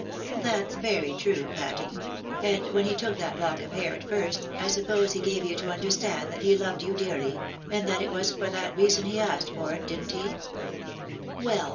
" That's very true indeed, Patty ; and when he took that look of hair at first, I suppose he gave you to understand that he loved you dearly, and that it was for that reason he asked for it, didn't he?" " Well